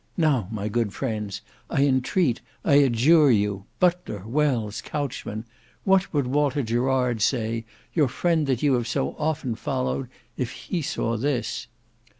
Now, my good friends, I entreat, I adjure you, Butler, Wells, Couchman, what would Walter Gerard say, your friend that you have so often followed, if he saw this?"